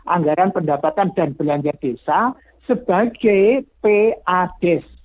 anggaran pendapatan dan belanja desa sebagai pades